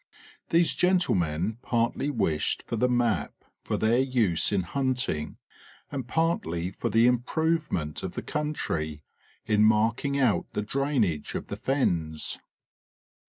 These gentlemen partly wished for the map for their use in hunting, and partly for the improvement of the country in marking out the drainage of the fens.